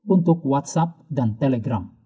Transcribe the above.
untuk whatsapp dan telegram